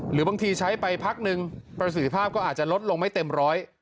หรือบางทีใช้ไปพักนึงประสิทธิภาพก็อาจจะลดลงไม่เต็มร้อย